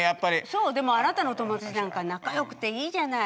そうでもあなたの友達なんか仲良くていいじゃない。